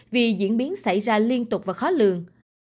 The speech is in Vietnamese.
vì diễn biến xảy ra liên tục và khó lường